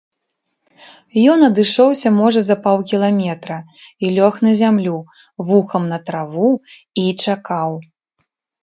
Ён адышоўся можа за паўкіламетра, і лёг на зямлю, вухам на траву, і чакаў.